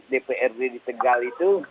dprd di tegal itu